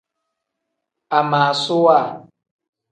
Amaasuwa.